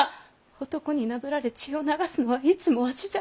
男になぶられ血を流すのはいつもわしじゃ！